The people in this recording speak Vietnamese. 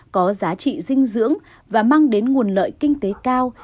có giá trị dinh dưỡng và mang đến nguồn lợi kinh tế cao